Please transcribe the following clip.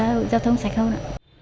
và mặt trời giao thông sạch hơn